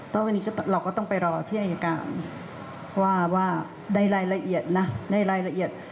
แล้ววันนี้เราก็ต้องไปรอที่อายการว่าในรายละเอียดนะในรายละเอียด